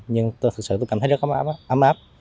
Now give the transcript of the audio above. nhưng thực sự tôi cảm thấy rất ấm áp